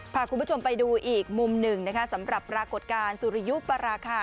พาคุณผู้ชมไปดูอีกมุมหนึ่งนะคะสำหรับปรากฏการณ์สุริยุปราคา